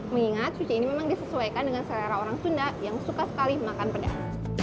mengingat suci ini memang disesuaikan dengan selera orang sunda yang suka sekali makan pedas